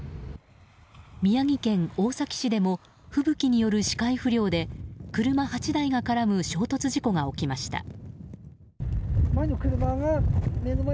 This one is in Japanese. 宮城県大崎市でも吹雪による視界不良で車８台が絡む衝突事故が起きました。